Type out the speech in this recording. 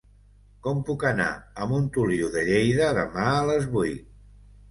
Com puc anar a Montoliu de Lleida demà a les vuit?